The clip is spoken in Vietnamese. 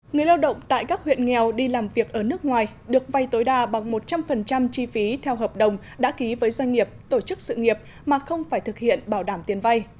người lao động tại các huyện nghèo đi làm việc ở nước ngoài được vay tối đa bằng một trăm linh chi phí theo hợp đồng đã ký với doanh nghiệp tổ chức sự nghiệp mà không phải thực hiện bảo đảm tiền vay